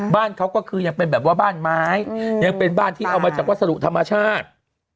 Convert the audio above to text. บ้านเขาก็คือยังเป็นแบบว่าบ้านไม้ยังเป็นบ้านที่เอามาจากวัสดุธรรมชาติ